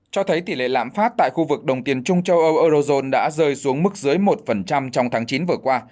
cho thấy tỷ lệ lãm phát tại khu vực đồng tiền trung châu âu eurozone đã rơi xuống mức dưới một trong tháng chín vừa qua